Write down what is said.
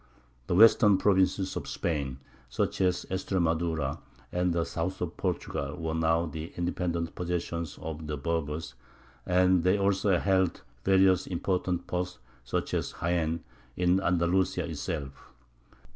The western provinces of Spain, such as Estremadura, and the south of Portugal, were now the independent possessions of the Berbers; and they also held various important posts, such as Jaen, in Andalusia itself.